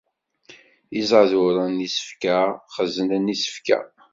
Izaduren n yisefka xezznen isefka.